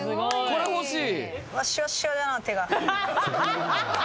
これ欲しい！